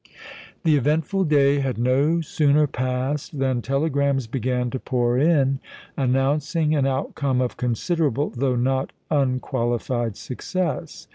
The eventful day had no sooner passed than telegrams began to pour in, announcing an outcome of considerable, though not unqualified success.